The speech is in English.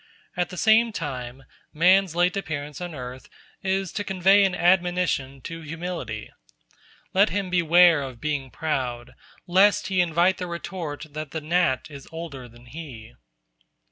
At the same time man's late appearance on earth is to convey an admonition to humility. Let him beware of being proud, lest he invite the retort that the gnat is older than he.